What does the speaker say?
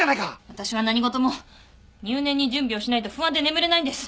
私は何事も入念に準備をしないと不安で眠れないんです。